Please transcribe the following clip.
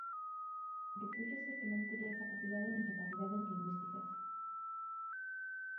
Propúxose que non tería capacidade nin capacidades lingüísticas.